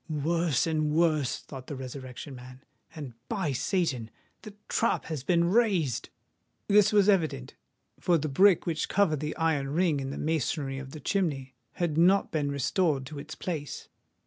"Worse and worse!" thought the Resurrection Man. "And, by Satan! the trap has been raised!" This was evident; for the brick which covered the iron ring in the masonry of the chimney, had not been restored to its place.